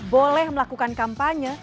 boleh melakukan kampanye